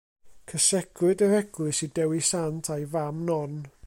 Cysegrwyd yr eglwys i Dewi Sant a'i fam Non.